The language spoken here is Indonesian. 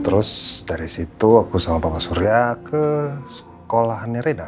terus dari situ aku sama bapak surya ke sekolahannya rina